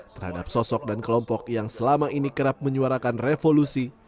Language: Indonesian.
terhadap sosok dan kelompok yang selama ini kerap menyuarakan revolusi